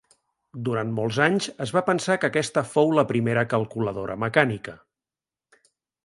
Durant molts anys es va pensar que aquesta fou la primera calculadora mecànica.